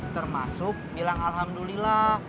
termasuk bilang alhamdulillah